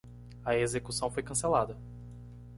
A execução foi cancelada.